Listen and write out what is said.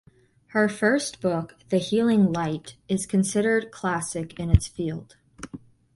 Her first book, "The Healing Light", is considered classic in its field.